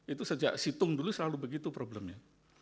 itu sejak situng dulu selalu begitu problemnya